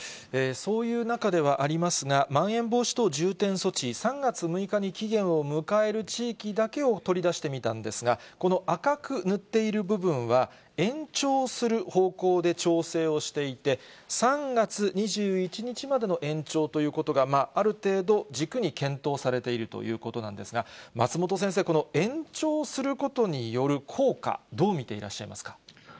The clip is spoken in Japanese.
そういう中ではありますが、まん延防止等重点措置、３月６日に期限を迎える地域だけを、取り出してみたんですが、この赤く塗っている部分は、延長する方向で調整をしていて、３月２１日までの延長ということが、ある程度、軸に検討されているということなんですが、松本先生、この延長することによる効果、どう見ていらっしゃいますか。